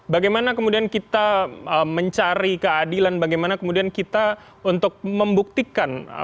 bagaimana kemudian kita mencari keadilan bagaimana kemudian kita untuk membuktikan